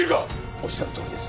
おっしゃるとおりです